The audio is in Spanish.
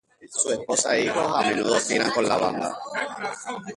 Su esposa e hijos a menudo giran con la banda.